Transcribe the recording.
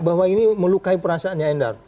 bahwa ini melukai perasaannya endar